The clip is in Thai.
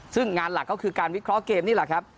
ซึ่งงานหลักก็คือการวิเคราะห์เกมนี่แหละครับ